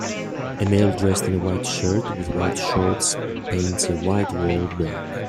a male dressed in a white shirt with white shorts paints a white wall black.